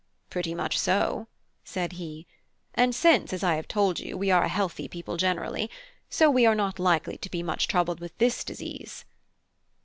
"Pretty much so," said he; "and since, as I have told you, we are a healthy people generally, so we are not likely to be much troubled with this disease."